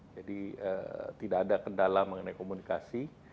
jadi tidak ada kendala mengenai komunikasi